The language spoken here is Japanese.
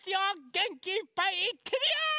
げんきいっぱいいってみよ！